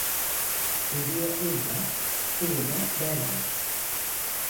Deliye el ver, eline bel ver.